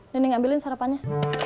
nenek ambilin sarapannya